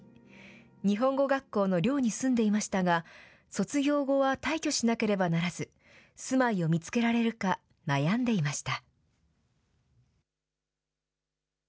日本語学校の寮に住んでいましたが、卒業後は退去しなければならず、住まいを見つけられるか、悩んでいました。